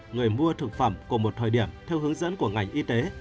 người mua thực phẩm của một thời điểm theo hướng dẫn của ngành y tế